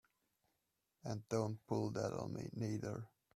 And don't pull that on me neither!